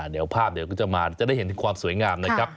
เดี๋ยวได้เห็นที่ความสวยงาม